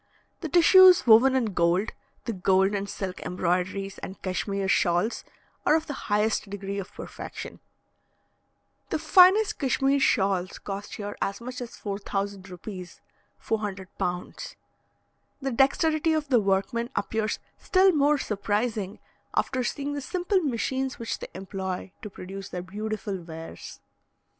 The tissues woven in gold, the gold and silk embroideries and Cashmere shawls, are of the highest degree of perfection. The finest Cashmere shawls cost here as much as 4,000 rupees (400 pounds). The dexterity of the workmen appears still more surprising after seeing the simple machines which they employ to produce their beautiful wares.